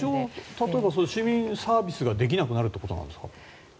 例えば、市民サービスができなくなるということですか？